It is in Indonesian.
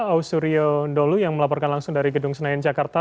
ausurio ndolu yang melaporkan langsung dari gedung senayan jakarta